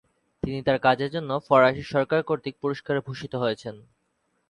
তিনি তার কাজের জন্যে ফরাসি সরকার কর্তৃক পুরস্কারে ভূষিত হয়েছেন।